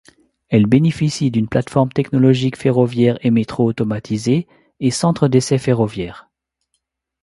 Elle bénéficie d'une plateforme technologique ferroviaire et métro automatisé et centre d'essais ferroviaire.